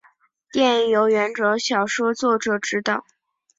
电影由原着小说作者执导。